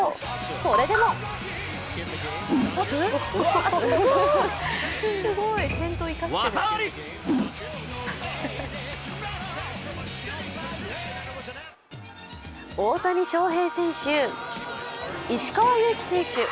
それでも大谷翔平選手、石川祐希選手